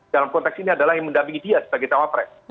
dalam konteks ini adalah yang mendampingi dia sebagai cawapres